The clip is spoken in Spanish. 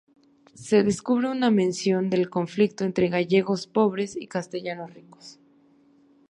Se descubre una mención del conflicto entre gallegos pobres y castellanos ricos.